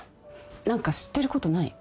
何か知ってることない？